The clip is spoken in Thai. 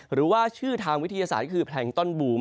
หรือว่าชื่อทางวิทยาศาสตร์คือแพลงต้อนบูม